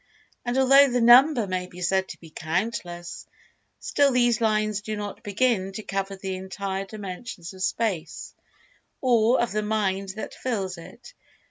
And although the number may be said to be "countless," still these lines do not begin to cover the entire dimensions of Space, or of the Mind that fills it.